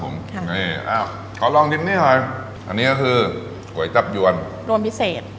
อันนี้อ้าวขอลองดินนี่หน่อยอันนี้ก็คือก๋วยจับยวนรวมพิเศษ